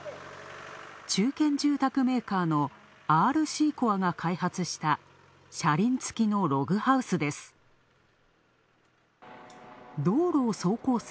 中堅住宅メーカーのアールシーコアが開発した車輪付きのログハウスです。